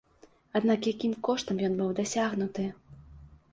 Аднак якім коштам ён быў дасягнуты?